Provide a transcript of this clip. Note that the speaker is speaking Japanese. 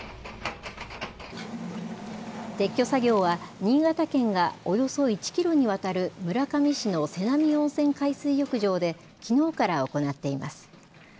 撤去作業は新潟県がおよそ１キロにわたる村上市の瀬波温泉海水浴場できのうから行っています。